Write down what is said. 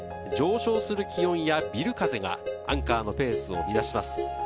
上昇する気温やビル風がアンカーのペースを乱します。